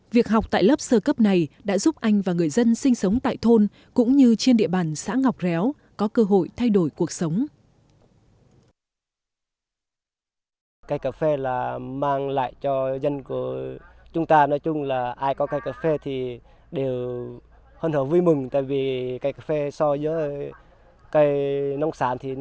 việc học tại lớp sơ cấp này đã giúp anh và người dân sinh sống tại thôn cũng như trên địa bàn xã ngọc réo có cơ hội thay đổi cuộc sống